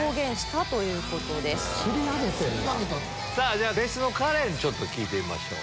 では別室のカレンちょっと聞いてみましょう。